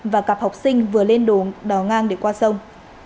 và cặp học sinh vừa lên đồ đò ngang để qua sông